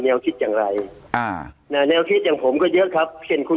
คิดอย่างไรแนวคิดอย่างผมก็เยอะครับเช่นคุณ